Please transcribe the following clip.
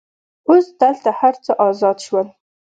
اوس دلته هر څه آزاد شول.